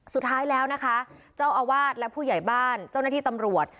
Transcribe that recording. สุดท้ายแล้วนะคะเจ้าอาวาสและผู้ใหญ่บ้านเจ้าหน้าที่ตำรวจ